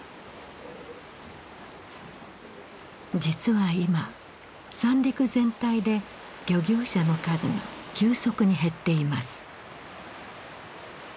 実は今三陸全体で漁業者の数が急速に減っています。